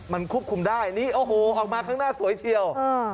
มันควบคุมได้นี่โอ้โหออกมาข้างหน้าสวยเชียว